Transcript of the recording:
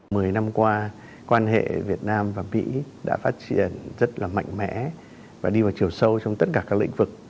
mười năm qua quan hệ việt nam và mỹ đã phát triển rất là mạnh mẽ và đi vào chiều sâu trong tất cả các lĩnh vực